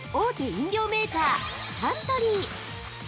飲料メーカー・サントリー。